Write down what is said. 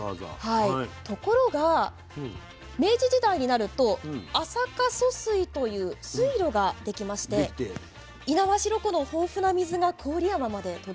ところが明治時代になると安積疎水という水路ができまして猪苗代湖の豊富な水が郡山まで届くようになったんですね。